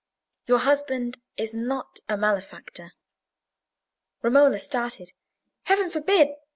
Your husband is not a malefactor?" Romola started. "Heaven forbid!